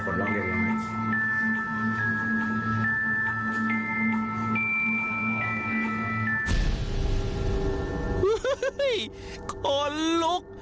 โอ้โฮคนลุก